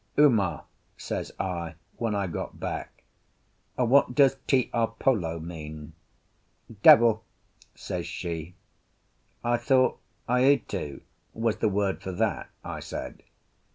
"Uma," says I, when I got back, "what does Tiapolo mean?" "Devil," says she. "I thought aitu was the word for that," I said.